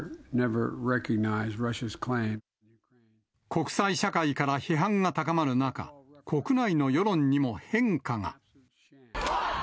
国際社会から批判が高まる中、国内の世論にも変化が。